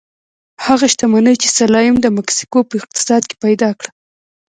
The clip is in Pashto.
هغه شتمني چې سلایم د مکسیکو په اقتصاد کې پیدا کړه.